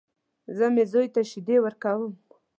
زه مې زوی ته شيدې ورکوم.